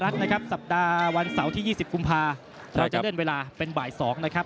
สัปดาห์วันเสาร์ที่๒๐กุมภาเราจะเล่นเวลาเป็นบ่าย๒นะครับ